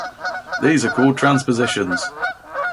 These are called transpositions.